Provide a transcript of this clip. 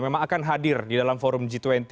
memang akan hadir di dalam forum g dua puluh